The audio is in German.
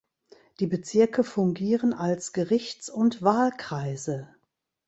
Die Bezirke fungieren als Gerichts- und Wahlkreise.